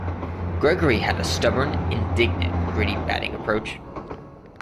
Gregory had a stubborn, "indignant", gritty batting approach.